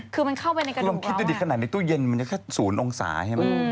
คือมันเข้าไปในกระดูกเขาอ่ะคุณคิดจะดิดขนาดไหนในตู้เย็นมันก็แค่๐องศาเห็นไหม